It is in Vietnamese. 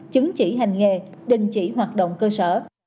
chứng chỉ hành nghề đình chỉ hoạt động cơ sở